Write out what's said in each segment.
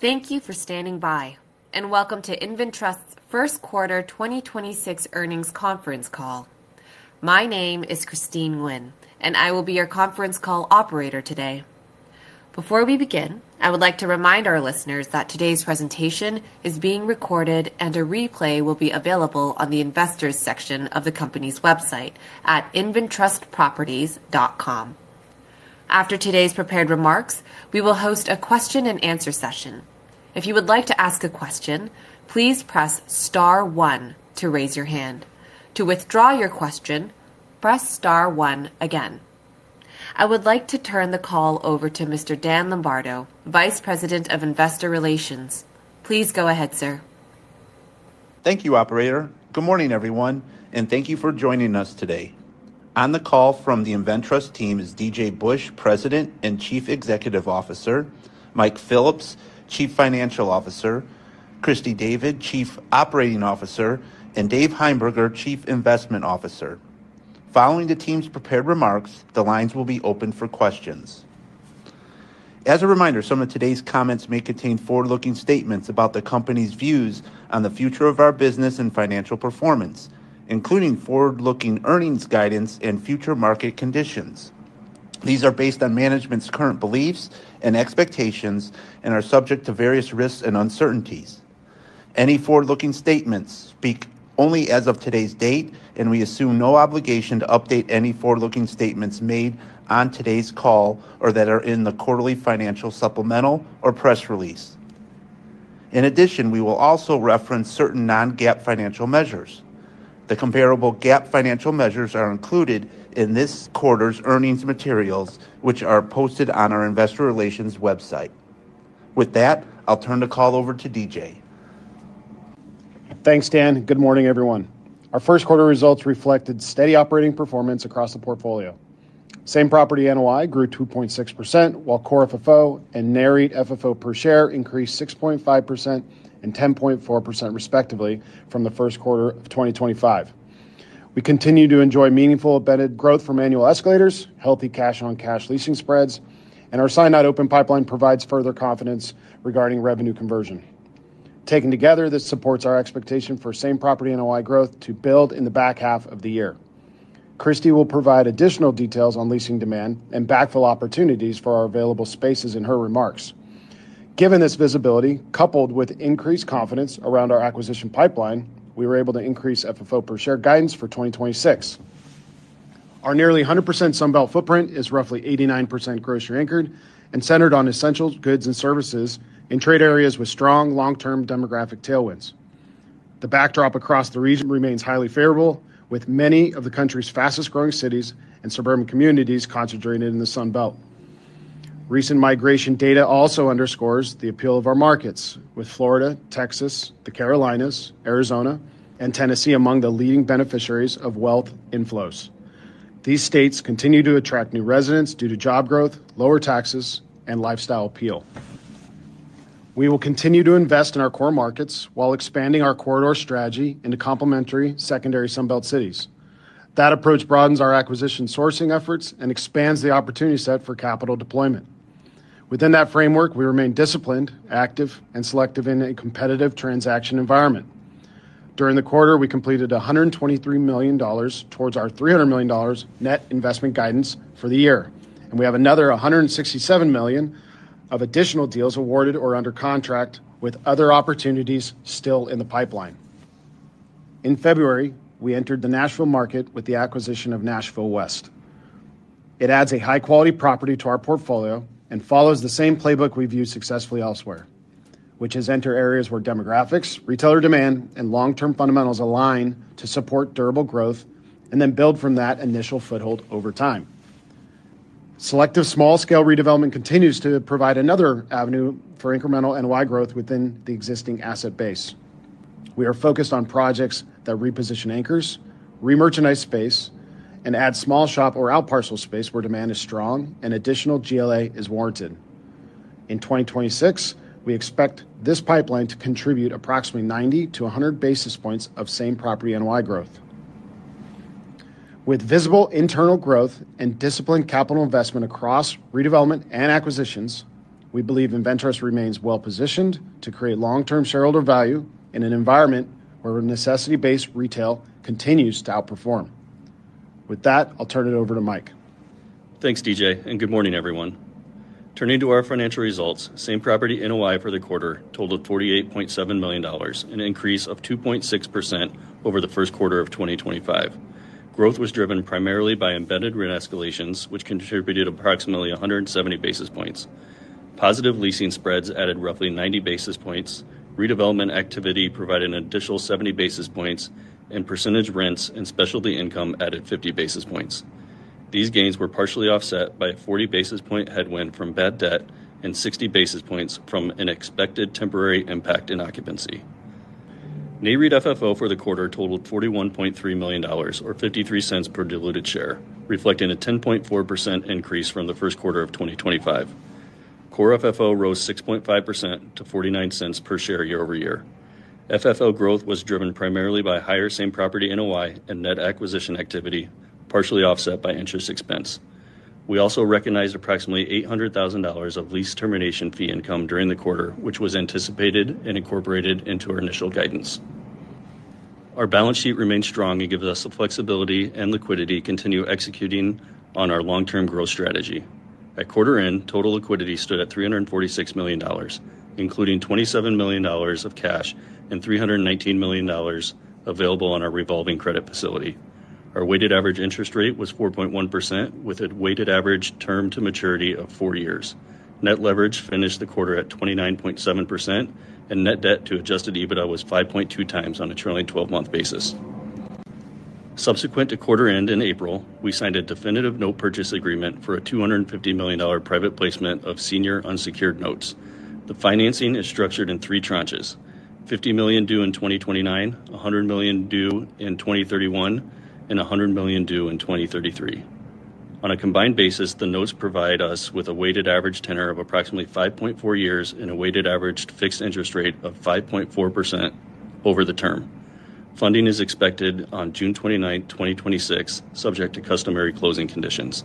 There are sevenThank you for standing by, welcome to InvenTrust's first quarter 2026 earnings conference call. My name is Christine Wynn, I will be your conference call operator today. Before we begin, I would like to remind our listeners that today's presentation is being recorded and a replay will be available on the investors section of the company's website at inventrustproperties.com. After today's prepared remarks, we will host a question and answer session. If you would like to ask a question, please press star 1 to raise your hand. To withdraw your question, press star 1 again. I would like to turn the call over to Mr. Dan Lombardo, Vice President of Investor Relations. Please go ahead, sir. Thank you, operator. Good morning, everyone, and thank you for joining us today. On the call from the InvenTrust team is DJ Busch, President and Chief Executive Officer, Michael Phillips, Chief Financial Officer, Christy David, Chief Operating Officer, and David Heimberger, Chief Investment Officer. Following the team's prepared remarks, the lines will be open for questions. As a reminder, some of today's comments may contain forward-looking statements about the company's views on the future of our business and financial performance, including forward-looking earnings guidance and future market conditions. These are based on management's current beliefs and expectations and are subject to various risks and uncertainties. Any forward-looking statements speak only as of today's date. We assume no obligation to update any forward-looking statements made on today's call or that are in the quarterly financial supplemental or press release. In addition, we will also reference certain non-GAAP financial measures. The comparable GAAP financial measures are included in this quarter's earnings materials, which are posted on our investor relations website. With that, I'll turn the call over to DJ. Thanks, Dan. Good morning, everyone. Our first quarter results reflected steady operating performance across the portfolio. Same-Property NOI grew 2.6%, while Core FFO and Nareit FFO per share increased 6.5% and 10.4% respectively from the first quarter of 2025. We continue to enjoy meaningful embedded growth from annual escalators, healthy cash-on-cash leasing spreads, and our SNO pipeline provides further confidence regarding revenue conversion. Taken together, this supports our expectation for Same-Property NOI growth to build in the back half of the year. Christy will provide additional details on leasing demand and backfill opportunities for our available spaces in her remarks. Given this visibility, coupled with increased confidence around our acquisition pipeline, we were able to increase FFO per share guidance for 2026. Our nearly 100% Sun Belt footprint is roughly 89% grocery anchored and centered on essential goods and services in trade areas with strong long-term demographic tailwinds. The backdrop across the region remains highly favorable with many of the country's fastest-growing cities and suburban communities concentrated in the Sun Belt. Recent migration data also underscores the appeal of our markets with Florida, Texas, the Carolinas, Arizona, and Tennessee among the leading beneficiaries of wealth inflows. These states continue to attract new residents due to job growth, lower taxes, and lifestyle appeal. We will continue to invest in our core markets while expanding our corridor strategy into complementary secondary Sun Belt cities. That approach broadens our acquisition sourcing efforts and expands the opportunity set for capital deployment. Within that framework, we remain disciplined, active, and selective in a competitive transaction environment. During the quarter, we completed $123 million towards our $300 million net investment guidance for the year. We have another $167 million of additional deals awarded or under contract with other opportunities still in the pipeline. In February, we entered the Nashville market with the acquisition of Nashville West. It adds a high-quality property to our portfolio and follows the same playbook we've used successfully elsewhere, which is enter areas where demographics, retailer demand, and long-term fundamentals align to support durable growth and then build from that initial foothold over time. Selective small-scale redevelopment continues to provide another avenue for incremental NOI growth within the existing asset base. We are focused on projects that reposition anchors, remerchandise space, and add small shop or out parcel space where demand is strong and additional GLA is warranted. In 2026, we expect this pipeline to contribute approximately 90-100 basis points of Same-Property NOI growth. With visible internal growth and disciplined capital investment across redevelopment and acquisitions, we believe InvenTrust remains well-positioned to create long-term shareholder value in an environment where necessity-based retail continues to outperform. With that, I'll turn it over to Mike. Thanks, DJ, and good morning, everyone. Turning to our financial results, Same-Property NOI for the quarter totaled $48.7 million, an increase of 2.6% over the first quarter of 2025. Growth was driven primarily by embedded rent escalations, which contributed approximately 170 basis points. Positive leasing spreads added roughly 90 basis points. Redevelopment activity provided an additional 70 basis points, and percentage rents and specialty income added 50 basis points. These gains were partially offset by a 40 basis point headwind from bad debt and 60 basis points from an expected temporary impact in occupancy. Nareit FFO for the quarter totaled $41.3 million or $0.53 per diluted share, reflecting a 10.4% increase from the first quarter of 2025. Core FFO rose 6.5% to $0.49 per share year-over-year. FFO growth was driven primarily by higher Same-Property NOI and net acquisition activity, partially offset by interest expense. We also recognized approximately $800,000 of lease termination fee income during the quarter, which was anticipated and incorporated into our initial guidance. Our balance sheet remains strong and gives us the flexibility and liquidity to continue executing on our long-term growth strategy. At quarter end, total liquidity stood at $346 million, including $27 million of cash and $319 million available on our revolving credit facility. Our weighted average interest rate was 4.1% with a weighted average term to maturity of four years. Net leverage finished the quarter at 29.7%, net debt to adjusted EBITDA was 5.2 times on a trailing 12-month basis. Subsequent to quarter end in April, we signed a definitive note purchase agreement for a $250 million private placement of senior unsecured notes. The financing is structured in three tranches, $50 million due in 2029, $100 million due in 2031, and $100 million due in 2033. On a combined basis, the notes provide us with a weighted average tenor of approximately 5.4 years and a weighted average fixed interest rate of 5.4% over the term. Funding is expected on June 29, 2026, subject to customary closing conditions.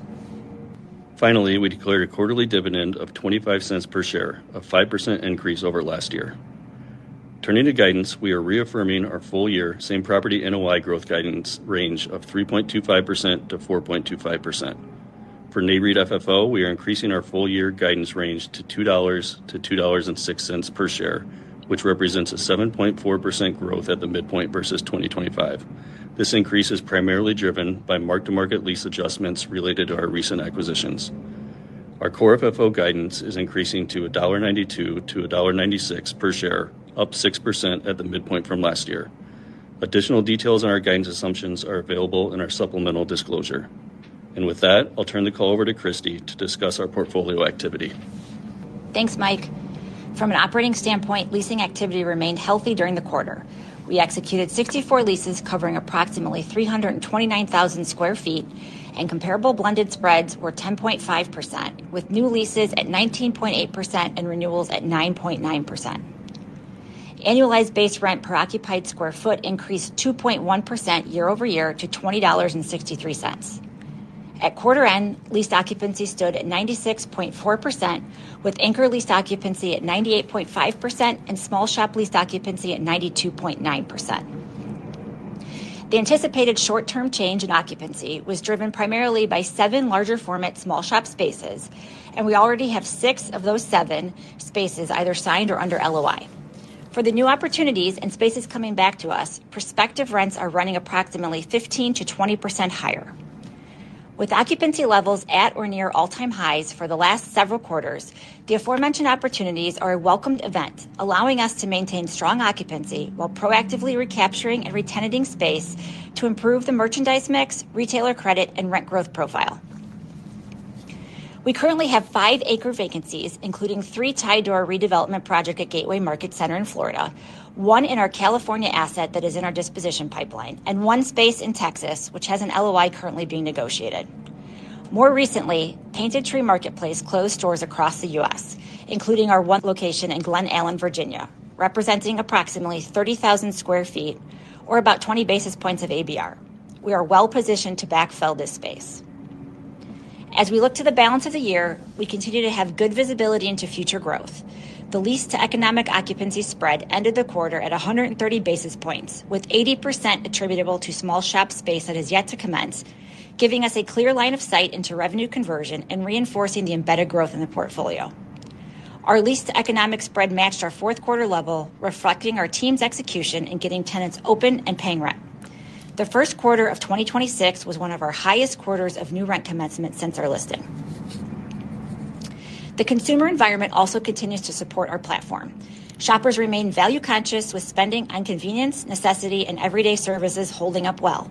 Finally, we declared a quarterly dividend of $0.25 per share, a 5% increase over last year. Turning to guidance, we are reaffirming our full year Same-Property NOI growth guidance range of 3.25%-4.25%. For Nareit FFO, we are increasing our full year guidance range to $2.00-$2.06 per share, which represents a 7.4% growth at the midpoint versus 2025. This increase is primarily driven by mark-to-market lease adjustments related to our recent acquisitions. Our Core FFO guidance is increasing to $1.92-$1.96 per share, up 6% at the midpoint from last year. Additional details on our guidance assumptions are available in our supplemental disclosure. With that, I'll turn the call over to Christy to discuss our portfolio activity. Thanks, Mike. From an operating standpoint, leasing activity remained healthy during the quarter. We executed 64 leases covering approximately 329,000 sq. Ft, and comparable blended spreads were 10.5%, with new leases at 19.8% and renewals at 9.9%. Annualized Base Rent per occupied square foot increased 2.1% year-over-year to $20.63. At quarter end, lease occupancy stood at 96.4%, with anchor lease occupancy at 98.5% and small shop lease occupancy at 92.9%. The anticipated short-term change in occupancy was driven primarily by 7 larger format small shop spaces, and we already have 6 of those 7 spaces either signed or under LOI. For the new opportunities and spaces coming back to us, prospective rents are running approximately 15%-20% higher. With occupancy levels at or near all-time highs for the last several quarters, the aforementioned opportunities are a welcomed event, allowing us to maintain strong occupancy while proactively recapturing and retenanting space to improve the merchandise mix, retailer credit, and rent growth profile. We currently have five anchor vacancies, including three tied to our redevelopment project at Gateway Market Center in Florida, one in our California asset that is in our disposition pipeline, and 1 space in Texas, which has an LOI currently being negotiated. More recently, Painted Tree Marketplace closed stores across the U.S., including our 1 location in Glen Allen, Virginia, representing approximately 30,000 square feet or about 20 basis points of ABR. We are well-positioned to backfill this space. As we look to the balance of the year, we continue to have good visibility into future growth. The lease to economic occupancy spread ended the quarter at 130 basis points, with 80% attributable to small shop space that is yet to commence, giving us a clear line of sight into revenue conversion and reinforcing the embedded growth in the portfolio. Our lease to economic spread matched our fourth quarter level, reflecting our team's execution in getting tenants open and paying rent. The first quarter of 2026 was one of our highest quarters of new rent commencement since our listing. The consumer environment also continues to support our platform. Shoppers remain value-conscious with spending on convenience, necessity, and everyday services holding up well.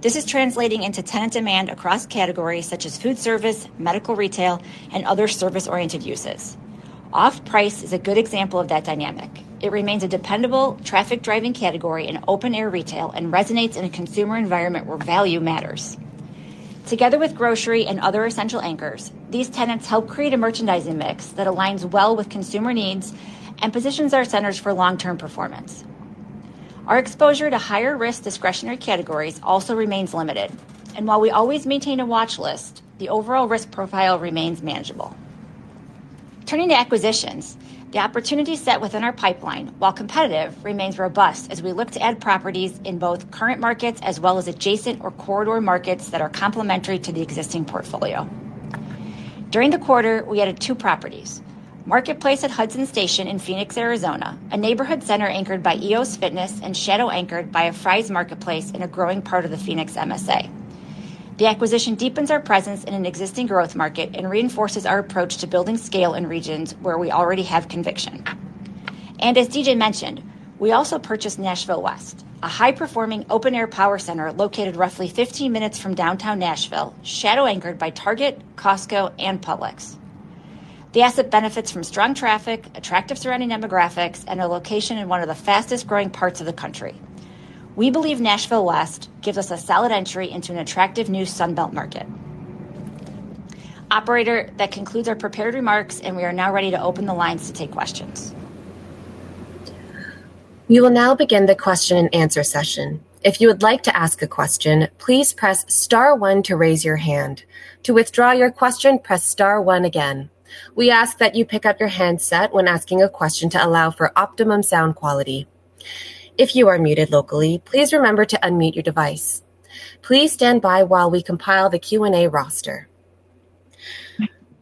This is translating into tenant demand across categories such as food service, medical retail, and other service-oriented uses. Off-price is a good example of that dynamic. It remains a dependable traffic driving category in open air retail and resonates in a consumer environment where value matters. Together with grocery and other essential anchors, these tenants help create a merchandising mix that aligns well with consumer needs and positions our centers for long-term performance. Our exposure to higher risk discretionary categories also remains limited. While we always maintain a watch list, the overall risk profile remains manageable. Turning to acquisitions, the opportunity set within our pipeline, while competitive, remains robust as we look to add properties in both current markets as well as adjacent or corridor markets that are complementary to the existing portfolio. During the quarter, we added 2 properties. Marketplace at Hudson Station in Phoenix, Arizona, a neighborhood center anchored by EōS Fitness and shadow anchored by a Fry's Marketplace in a growing part of the Phoenix MSA. The acquisition deepens our presence in an existing growth market and reinforces our approach to building scale in regions where we already have conviction. As DJ mentioned, we also purchased Nashville West, a high-performing open air power center located roughly 15 minutes from downtown Nashville, shadow anchored by Target, Costco, and Publix. The asset benefits from strong traffic, attractive surrounding demographics, and a location in one of the fastest-growing parts of the country. We believe Nashville West gives us a solid entry into an attractive new Sun Belt market. Operator, that concludes our prepared remarks, and we are now ready to open the lines to take questions.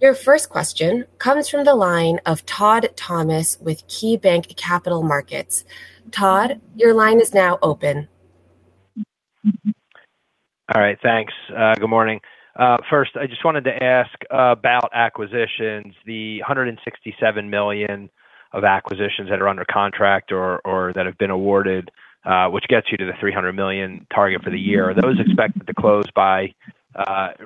Your first question comes from the line of Todd Thomas with KeyBanc Capital Markets. Todd, your line is now open. All right. Thanks. Good morning. First, I just wanted to ask about acquisitions. The $167 million of acquisitions that are under contract or that have been awarded, which gets you to the $300 million target for the year. Are those expected to close by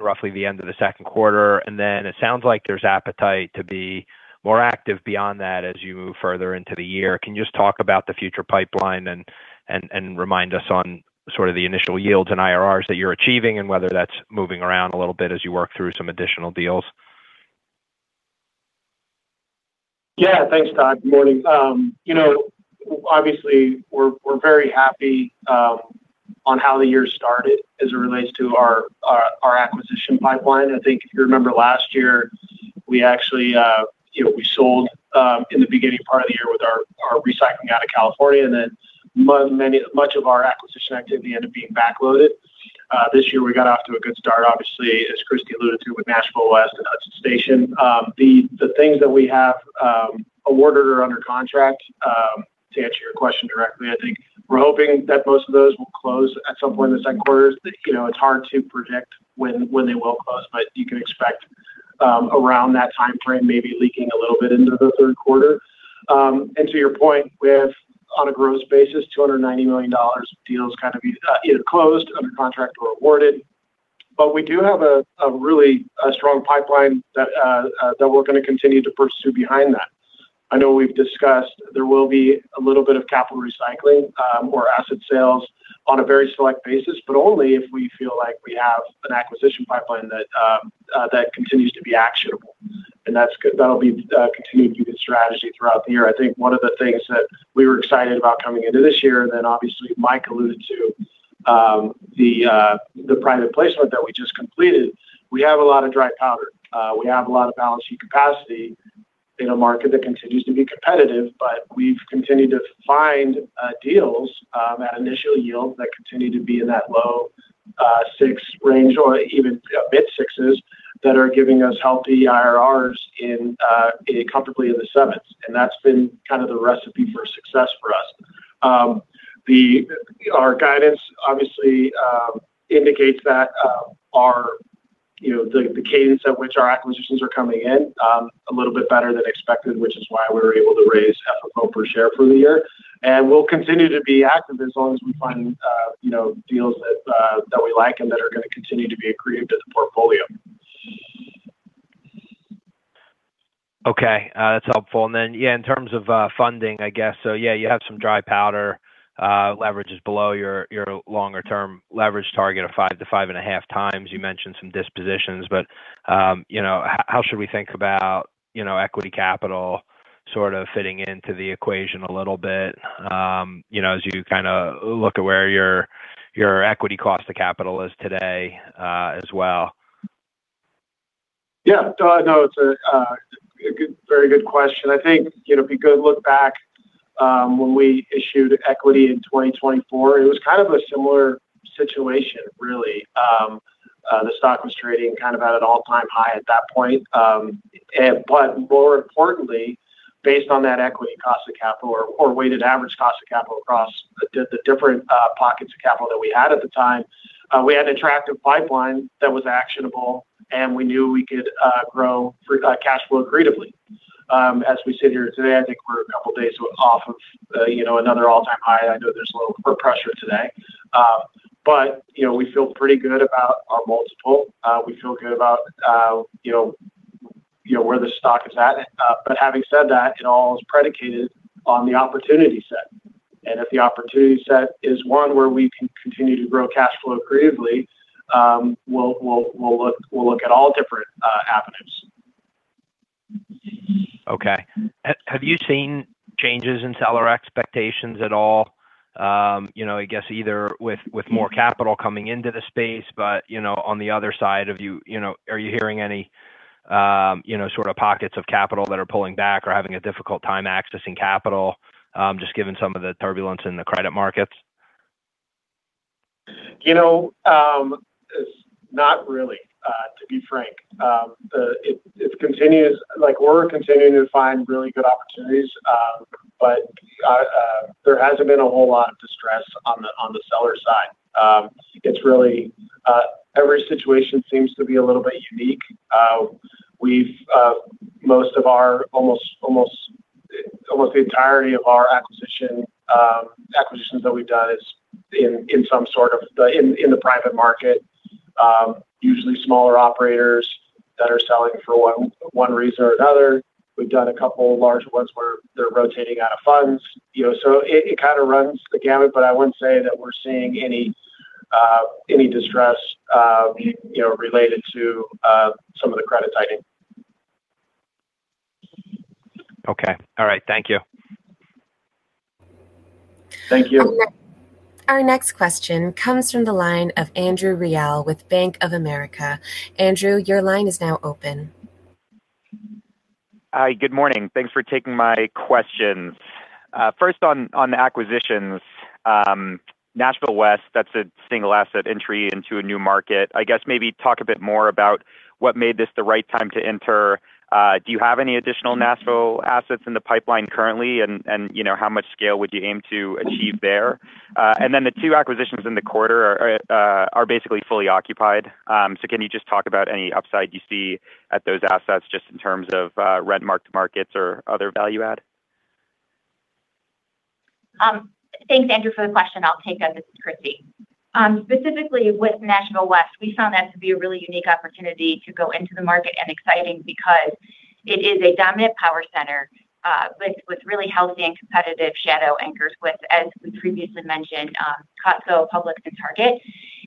roughly the end of the second quarter? Then it sounds like there's appetite to be more active beyond that as you move further into the year. Can you just talk about the future pipeline and remind us on sort of the initial yields and IRRs that you're achieving, and whether that's moving around a little bit as you work through some additional deals? Thanks, Todd. Good morning. You know, obviously, we're very happy on how the year started as it relates to our acquisition pipeline. I think if you remember last year, we actually, you know, we sold in the beginning part of the year with our recycling out of California, and then much of our acquisition activity ended up being backloaded. This year we got off to a good start, obviously, as Christy alluded to, with Nashville West and Hudson Station. The things that we have awarded or under contract, to answer your question directly, I think we're hoping that most of those will close at some point in the second quarter. You know, it's hard to predict when they will close, but you can expect around that timeframe, maybe leaking a little bit into the third quarter. To your point with on a gross basis, $290 million deals kind of either closed, under contract, or awarded. We do have a really strong pipeline that we're gonna continue to pursue behind that. I know we've discussed there will be a little bit of capital recycling, or asset sales on a very select basis, but only if we feel like we have an acquisition pipeline that continues to be actionable. That'll be continued good strategy throughout the year. I think one of the things that we were excited about coming into this year, then obviously Mike alluded to the private placement that we just completed. We have a lot of dry powder. We have a lot of balance sheet capacity in a market that continues to be competitive, but we've continued to find deals at initial yield that continue to be in that low six range or even mid-sixes that are giving us healthy IRRs comfortably in the sevens. That's been kind of the recipe for success for us. Our guidance obviously indicates that our, you know, the cadence at which our acquisitions are coming in a little bit better than expected, which is why we were able to raise FFO per share for the year. We'll continue to be active as long as we find, you know, deals that we like and that are gonna continue to be accretive to the portfolio. Okay. That's helpful. Then, yeah, in terms of funding, I guess, yeah, you have some dry powder. Leverage is below your longer term leverage target of 5 to 5.5 times. You mentioned some dispositions, you know, how should we think about, you know, equity capital sort of fitting into the equation a little bit, you know, as you kinda look at where your equity cost to capital is today, as well? Yeah. No, it's a good, very good question. I think, you know, if you go look back, when we issued equity in 2024, it was kind of a similar situation, really. The stock was trading kind of at an all-time high at that point. More importantly, based on that equity cost of capital or weighted average cost of capital across the different pockets of capital that we had at the time, we had an attractive pipeline that was actionable, and we knew we could grow cash flow accretively. As we sit here today, I think we're a couple of days off of, you know, another all-time high. I know there's a little pressure today. You know, we feel pretty good about our multiple. We feel good about, you know, where the stock is at. Having said that, it all is predicated on the opportunity set. If the opportunity set is one where we can continue to grow cash flow accretively, we'll look at all different avenues. Okay. Have you seen changes in seller expectations at all? You know, I guess either with more capital coming into the space, but, you know, on the other side, you know, are you hearing any, you know, sort of pockets of capital that are pulling back or having a difficult time accessing capital, just given some of the turbulence in the credit markets? You know, not really, to be frank. Like, we're continuing to find really good opportunities, but there hasn't been a whole lot of distress on the seller side. It's really, every situation seems to be a little bit unique. We've almost the entirety of our acquisitions that we've done is in the private market, usually smaller operators that are selling for one reason or another. We've done a couple of large ones where they're rotating out of funds. You know, it kinda runs the gamut, but I wouldn't say that we're seeing any distress, you know, related to some of the credit tightening. Okay. All right. Thank you. Thank you. Our next question comes from the line of Andrew Reale with Bank of America. Andrew, your line is now open. Hi, good morning. Thanks for taking my questions. First on the acquisitions. Nashville West, that's a single asset entry into a new market. I guess maybe talk a bit more about what made this the right time to enter. Do you have any additional Nashville assets in the pipeline currently? You know, how much scale would you aim to achieve there? Then the two acquisitions in the quarter are basically fully occupied. Can you just talk about any upside you see at those assets just in terms of rent marked markets or other value add? Thanks Andrew Reale, for the question. I'll take that. This is Christy David. Specifically with Nashville West, we found that to be a really unique opportunity to go into the market and exciting because it is a dominant power center, with really healthy and competitive shadow anchors with, as we previously mentioned, Costco, Publix, and Target.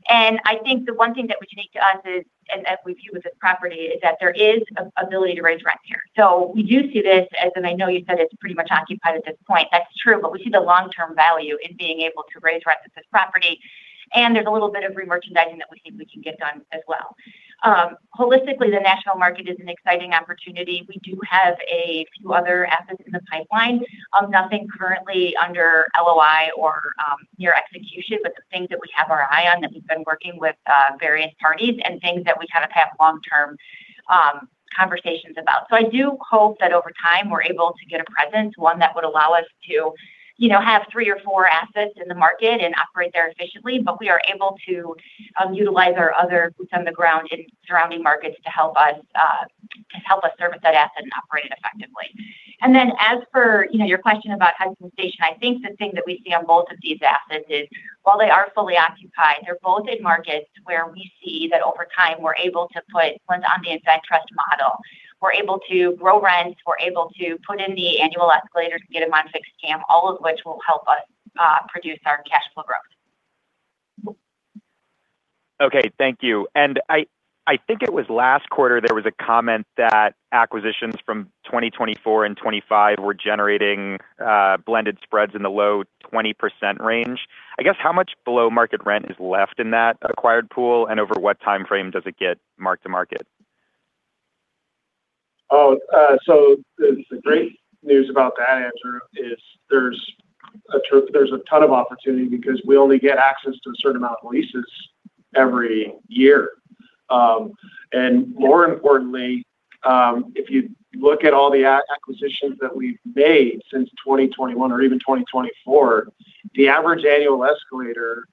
I think the one thing that was unique to us is, and as we view with this property, is that there is an ability to raise rent here. We do see this as I know you said it's pretty much occupied at this point. That's true, we see the long-term value in being able to raise rent at this property, there's a little bit of remerchandising that we think we can get done as well. Holistically, the national market is an exciting opportunity. We do have a few other assets in the pipeline. Nothing currently under LOI or near execution, the things that we have our eye on that we've been working with various parties and things that we kind of have long-term conversations about. I do hope that over time we're able to get a presence, one that would allow us to, you know, have three or four assets in the market and operate there efficiently. We are able to utilize our other boots on the ground in surrounding markets to help us service that asset and operate it effectively. As for, you know, your question about Hudson Station, I think the thing that we see on both of these assets is while they are fully occupied, they're both in markets where we see that over time we're able to put ones on the InvenTrust model. We're able to grow rents. We're able to put in the annual escalators to get them on fixed CAM, all of which will help us produce our cash flow growth. Okay. Thank you. I think it was last quarter there was a comment that acquisitions from 2024 and 2025 were generating blended spreads in the low 20% range. I guess how much below market rent is left in that acquired pool, and over what timeframe does it get mark-to-market? The great news about that, Andrew Reale, is there's a ton of opportunity because we only get access to a certain amount of leases every year. More importantly, if you look at all the acquisitions that we've made since 2021 or even 2024, the average annual escalator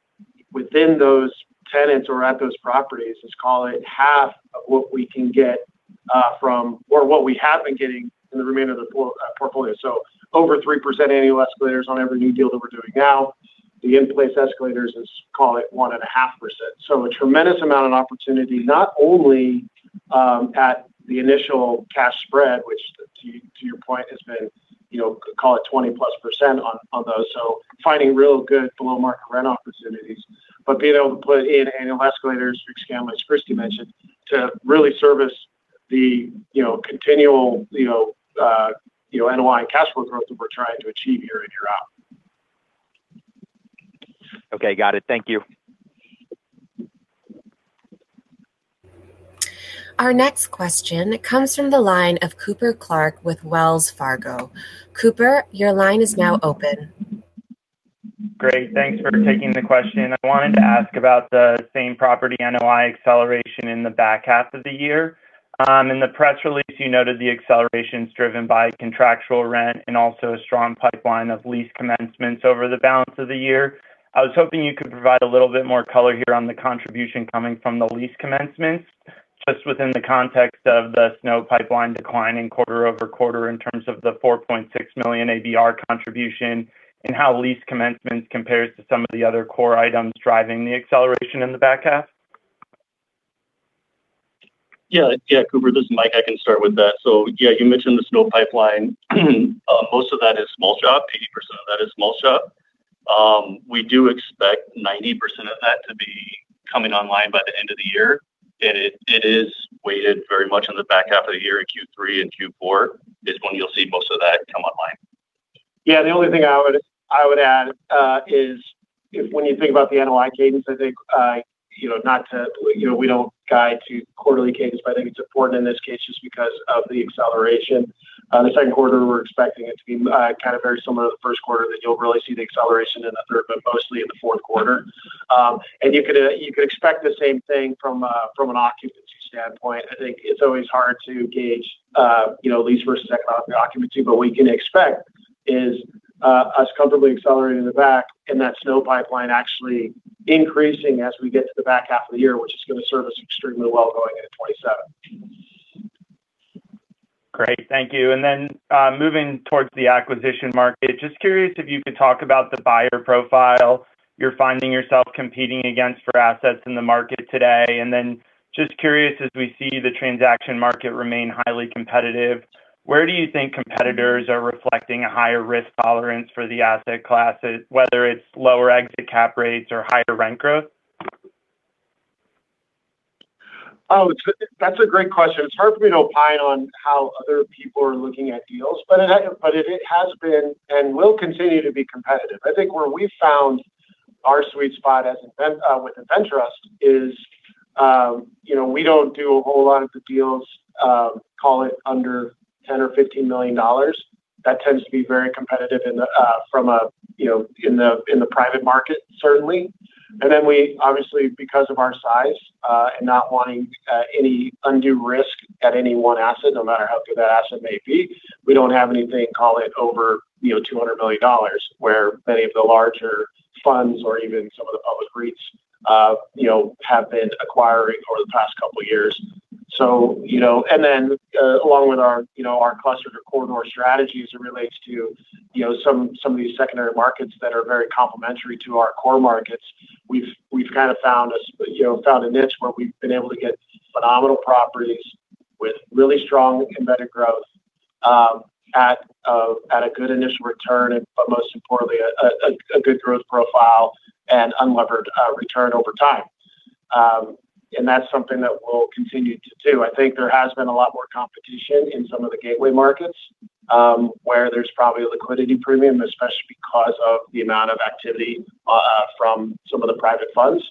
within those tenants or at those properties is call it half of what we can get from or what we have been getting in the remainder of the portfolio. Over 3% annual escalators on every new deal that we're doing now. The in-place escalators is, call it 1.5%. A tremendous amount of opportunity, not only at the initial cash spread, which to your point has been, you know, call it 20%+ on those. Finding real good below market rent opportunities. Being able to put in annual escalators, fixed CAM, as Christy mentioned, to really service the, you know, continual, you know, NOI cash flow growth that we're trying to achieve year in, year out. Okay. Got it. Thank you. Our next question comes from the line of Cooper Clark with Wells Fargo. Cooper, your line is now open. Great. Thanks for taking the question. I wanted to ask about the Same-Property NOI acceleration in the back half of the year. In the press release you noted the acceleration's driven by contractual rent and also a strong pipeline of lease commencements over the balance of the year. I was hoping you could provide a little bit more color here on the contribution coming from the lease commencements, just within the context of the SNO pipeline declining quarter-over-quarter in terms of the $4.6 million ABR contribution, and how lease commencement compares to some of the other core items driving the acceleration in the back half. Cooper, this is Mike. I can start with that. You mentioned the SNO pipeline. Most of that is small shop. 80% of that is small shop. We do expect 90% of that to be coming online by the end of the year. It is weighted very much in the back half of the year in Q3 and Q4 is when you'll see most of that come online. Yeah. The only thing I would add, is if when you think about the NOI cadence, I think, you know, we don't guide to quarterly cadence, but I think it's important in this case just because of the acceleration. The second quarter we're expecting it to be, kind of very similar to the first quarter, that you'll really see the acceleration in the third, but mostly in the fourth quarter. You could expect the same thing from an occupancy standpoint. I think it's always hard to gauge, you know, lease versus economic occupancy. We can expect is us comfortably accelerating in the back and that SNO pipeline actually increasing as we get to the back half of the year, which is gonna serve us extremely well going into 2027. Great. Thank you. Moving towards the acquisition market, just curious if you could talk about the buyer profile you're finding yourself competing against for assets in the market today. Just curious, as we see the transaction market remain highly competitive, where do you think competitors are reflecting a higher risk tolerance for the asset classes, whether it's lower exit cap rates or higher rent growth? That's a great question. It's hard for me to opine on how other people are looking at deals, but it has been and will continue to be competitive. I think where we found our sweet spot as InvenTrust is, you know, we don't do a whole lot of the deals, call it under $10 million or $15 million. That tends to be very competitive in the, from a, you know, in the, in the private market, certainly. Then we obviously, because of our size, and not wanting any undue risk at any one asset, no matter how good that asset may be, we don't have anything, call it over, you know, $200 million. Where many of the larger funds or even some of the public REITs, you know, have been acquiring over the past couple of years. You know, along with our, you know, our cluster to corridor strategies, it relates to, you know, some of these secondary markets that are very complementary to our core markets. We've kind of found a, you know, niche where we've been able to get phenomenal properties with really strong embedded growth, at a good initial return, but most importantly, a good growth profile and unlevered return over time. That's something that we'll continue to do. I think there has been a lot more competition in some of the gateway markets, where there's probably a liquidity premium, especially because of the amount of activity from some of the private funds.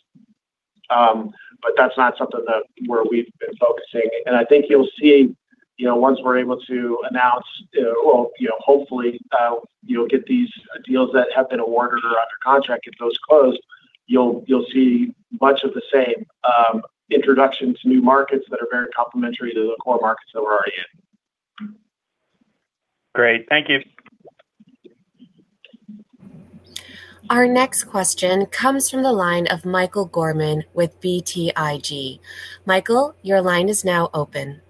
That's not something where we've been focusing. I think you'll see, you know, once we're able to announce, well, you know, hopefully, you'll get these deals that have been awarded or under contract, get those closed. You'll see much of the same introduction to new markets that are very complementary to the core markets that we're already in. Great. Thank you. Our next question comes from the line of Michael Gorman with BTIG. Michael, your line is now open.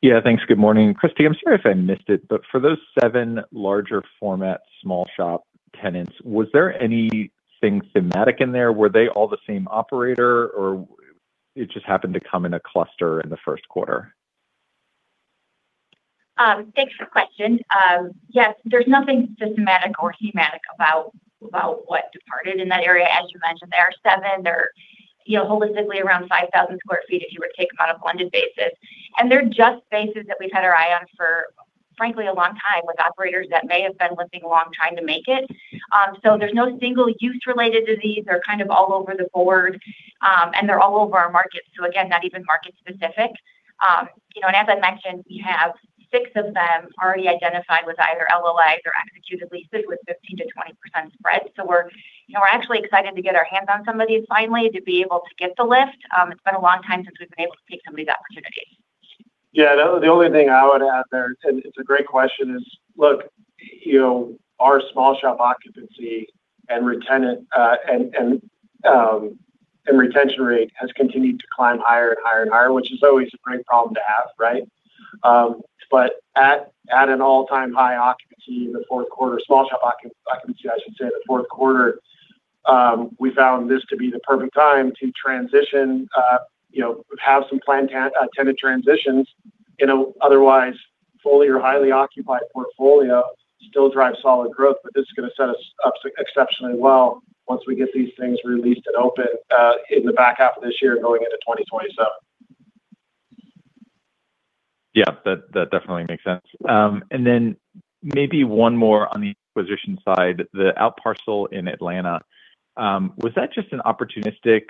Yeah, thanks. Good morning. Christy, I'm sorry if I missed it, but for those seven larger format small shop tenants, was there anything thematic in there? Were they all the same operator, or it just happened to come in a cluster in the first quarter? Thanks for the question. Yes, there's nothing systematic or thematic about what departed in that area. As you mentioned, there are seven. They're, you know, holistically around 5,000 square feet if you were to take them on a blended basis. They're just spaces that we've had our eye on for, frankly, a long time with operators that may have been lifting a long time to make it. There's no single use related to these. They're kind of all over the board. They're all over our markets, again, not even market specific. You know, as I mentioned, we have 6 of them already identified with either LOIs or executed leases with 15%-20% spread. We're, you know, we're actually excited to get our hands on some of these finally to be able to get the lift. It's been a long time since we've been able to take some of these opportunities. Yeah. The only thing I would add there, and it's a great question, is look, you know, our small shop occupancy and retention rate has continued to climb higher and higher and higher, which is always a great problem to have, right? At an all-time high occupancy in the fourth quarter, small shop occupancy, I should say, in the fourth quarter, we found this to be the perfect time to transition, you know, have some planned tenant transitions in an otherwise fully or highly occupied portfolio. Still drive solid growth, this is gonna set us up exceptionally well once we get these things re-leased and open in the back half of this year going into 2027. Yeah. That definitely makes sense. Then maybe one more on the acquisition side. The outparcel in Atlanta, was that just an opportunistic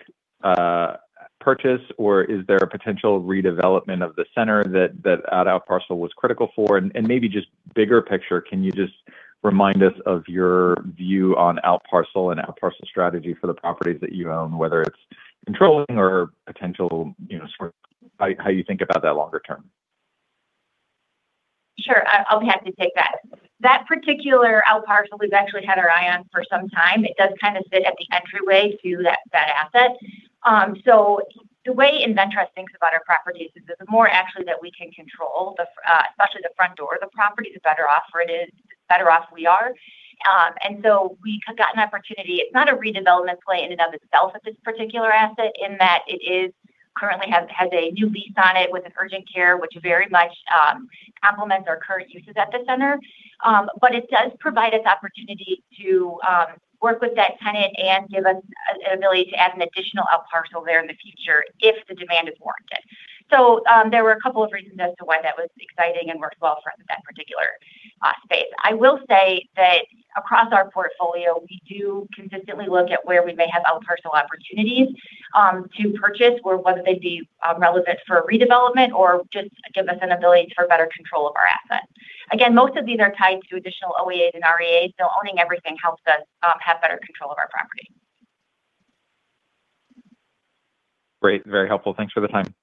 purchase, or is there a potential redevelopment of the center that outparcel was critical for? Maybe just bigger picture, can you just remind us of your view on outparcel and outparcel strategy for the properties that you own, whether it's controlling or potential, sort how you think about that longer term? Sure. I'll be happy to take that. That particular outparcel we've actually had our eye on for some time. It does kind of sit at the entryway to that asset. The way InvenTrust thinks about our properties is the more actually that we can control especially the front door of the property, the better off we are. We got an opportunity. It's not a redevelopment play in and of itself at this particular asset in that it currently has a new lease on it with an urgent care, which very much complements our current uses at the center. It does provide us opportunity to work with that tenant and give us an ability to add an additional outparcel there in the future if the demand is warranted. There were a couple of reasons as to why that was exciting and worked well for that particular space. I will say that across our portfolio, we do consistently look at where we may have outparcel opportunities to purchase or whether they'd be relevant for a redevelopment or just give us an ability for better control of our asset. Again, most of these are tied to additional OEAs and REAs, so owning everything helps us have better control of our property. Great. Very helpful. Thanks for the time.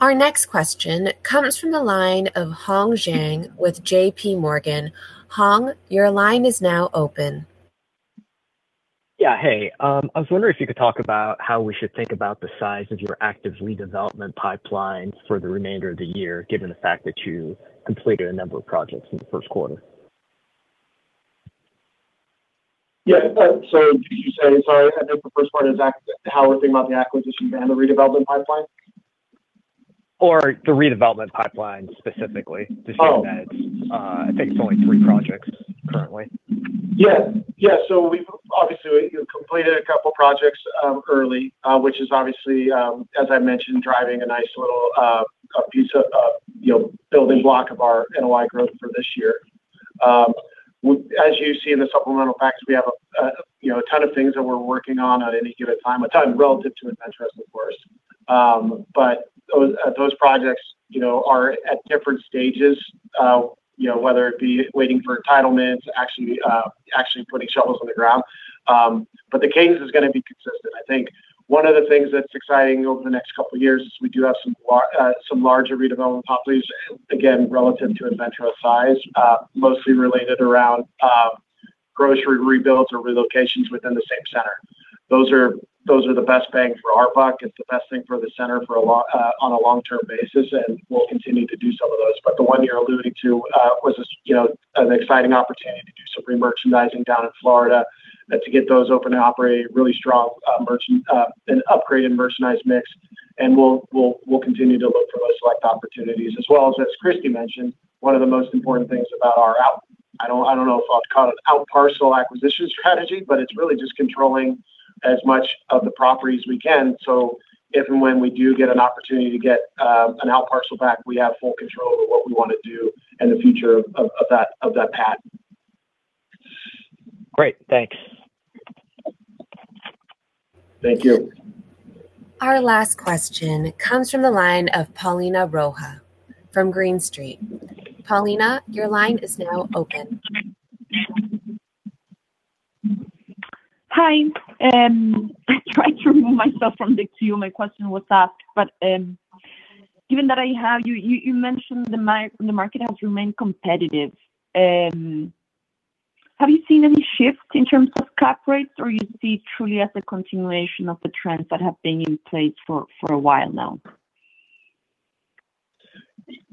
Our next question comes from the line of Hong Zhang with J.P. Morgan. Hong, your line is now open. Yeah. Hey. I was wondering if you could talk about how we should think about the size of your active redevelopment pipeline for the remainder of the year, given the fact that you completed a number of projects in the first quarter. Yeah. Sorry, I know the first part is how we're thinking about the acquisition and the redevelopment pipeline? The redevelopment pipeline specifically. Oh. Just seeing that it's, I think it's only three projects currently. Yeah. Yeah, we've obviously, we've completed a couple projects early, which is obviously, as I mentioned, driving a nice little piece of, you know, building block of our NOI growth for this year. As you see in the supplemental facts, we have, you know, a ton of things that we're working on at any given time, a ton relative to InvenTrust, of course. Those projects, you know, are at different stages, you know, whether it be waiting for entitlements, actually putting shovels on the ground. The cadence is gonna be consistent. I think one of the things that's exciting over the next couple of years is we do have some larger redevelopment properties, again, relative to InvenTrust size, mostly related around grocery rebuilds or relocations within the same center. Those are the best bang for our buck. It's the best thing for the center on a long-term basis, and we'll continue to do some of those. The one you're alluding to, was, you know, an exciting opportunity to do some re-merchandising down in Florida, to get those open and operating really strong, an upgraded merchandise mix, and we'll continue to look for those select opportunities. As well as Christy David mentioned, one of the most important things about our out I don't know if I'll call it out parcel acquisition strategy, but it's really just controlling as much of the property as we can. If and when we do get an opportunity to get an out parcel back, we have full control over what we wanna do in the future of that pad. Great. Thanks. Thank you. Our last question comes from the line of Paulina Rojas Schmidt from Green Street. Paulina, your line is now open. Hi. I tried to remove myself from the queue. My question was asked. Given that I have you mentioned the market has remained competitive. Have you seen any shifts in terms of cap rates, or you see truly as a continuation of the trends that have been in place for a while now?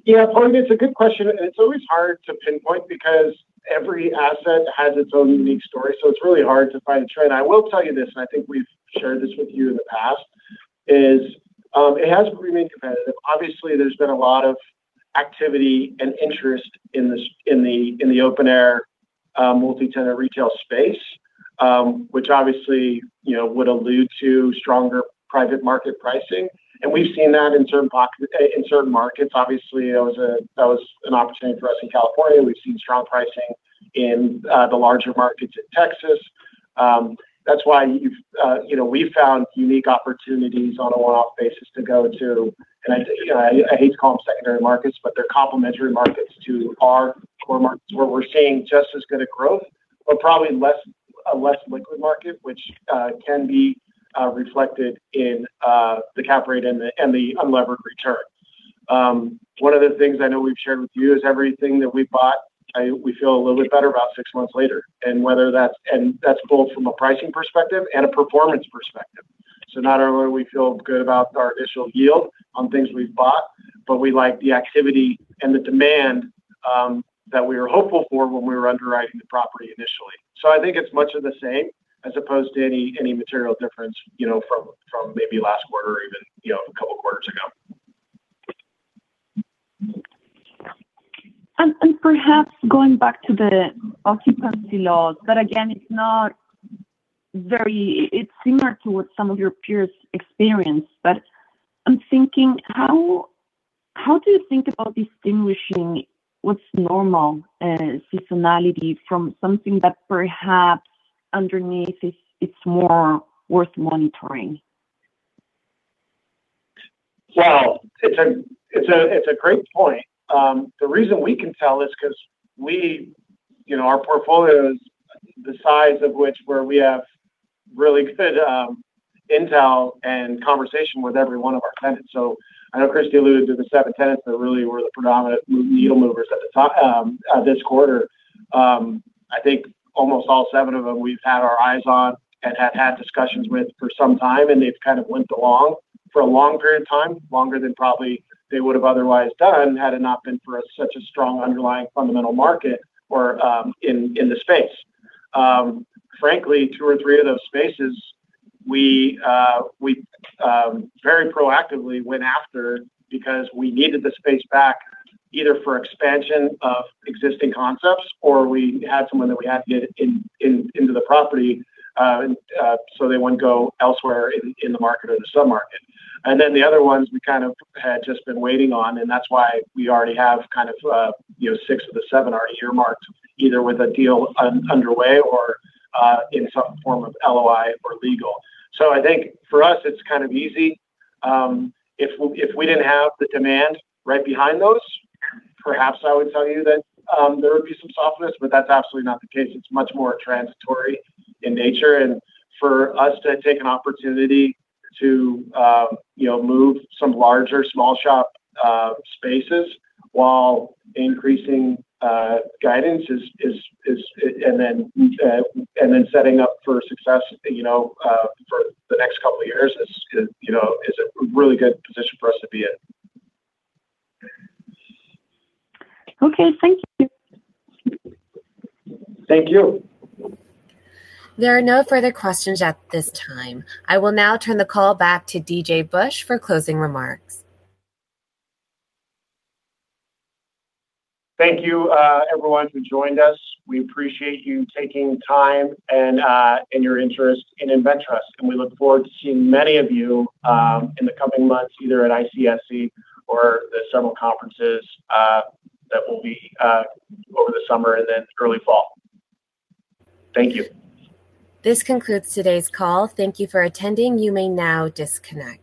Yeah, Paulina, it's a good question, and it's always hard to pinpoint because every asset has its own unique story, so it's really hard to find a trend. I will tell you this, and I think we've shared this with you in the past, is, it has remained competitive. Obviously, there's been a lot of activity and interest in the open air multi-tenant retail space, which obviously, you know, would allude to stronger private market pricing, and we've seen that in certain markets. Obviously, that was an opportunity for us in California. We've seen strong pricing in the larger markets in Texas. That's why you've, you know, we've found unique opportunities on a one-off basis to go to, and I, you know, I hate to call them secondary markets, but they're complementary markets to our core markets where we're seeing just as good a growth, but probably less, a less liquid market, which can be reflected in the cap rate and the unlevered return. One of the things I know we've shared with you is everything that we bought, we feel a little bit better about 6 months later. That's both from a pricing perspective and a performance perspective. Not only do we feel good about our initial yield on things we've bought, but we like the activity and the demand that we were hopeful for when we were underwriting the property initially. I think it's much of the same as opposed to any material difference, you know, from maybe last quarter or even, you know, a couple quarters ago. Perhaps going back to the occupancy lows, again, it's similar to what some of your peers experience. I'm thinking how do you think about distinguishing what's normal seasonality from something that perhaps underneath it's more worth monitoring? Well, it's a great point. The reason we can tell is 'cause we, you know, our portfolio is the size of which where we have really good intel and conversation with every one of our tenants. I know Christy alluded to the 7 tenants that really were the predominant needle movers at this quarter. I think almost all 7 of them we've had our eyes on and had discussions with for some time, and they've kind of limped along for a long period of time, longer than probably they would have otherwise done had it not been for a such a strong underlying fundamental market or in the space. Frankly, two or three of those spaces, we very proactively went after because we needed the space back either for expansion of existing concepts or we had someone that we had to get into the property so they wouldn't go elsewhere in the market or the sub-market. The other ones we kind of had just been waiting on, and that's why we already have kind of, you know, 6 of the 7 already earmarked either with a deal underway or in some form of LOI or legal. I think for us it's kind of easy. If we didn't have the demand right behind those, perhaps I would tell you that there would be some softness, but that's absolutely not the case. It's much more transitory in nature. For us to take an opportunity to, you know, move some larger small shop, spaces while increasing, guidance is and then setting up for success, you know, for the next couple of years is, you know, is a really good position for us to be in. Okay. Thank you. Thank you. There are no further questions at this time. I will now turn the call back to DJ Busch for closing remarks. Thank you, everyone who joined us. We appreciate you taking time and your interest in InvenTrust. We look forward to seeing many of you in the coming months, either at ICSC or the several conferences that will be over the summer and then early fall. Thank you. This concludes today's call. Thank you for attending. You may now disconnect.